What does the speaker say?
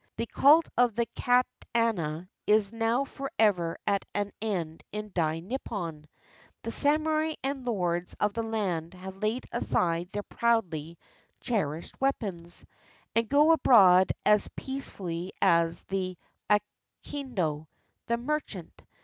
The cult of the katana is now forever at an end in Dai Nippon — the samurai and lords of the land have laid aside their proudly cherished weapons, and go abroad as peace fully as the akindo, the merchant.